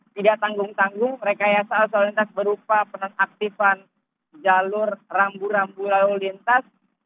tidak tanggung tanggung rekayasa arus lalu lintas berupa penonaktifan jalur rambu rambu lalu lintas